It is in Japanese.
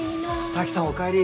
沙樹さんおかえり。